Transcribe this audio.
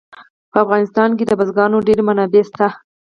په افغانستان کې د بزګانو ډېرې منابع شته.